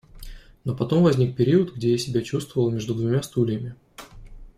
Но потом возник период, где я себя чувствовала между двумя стульями.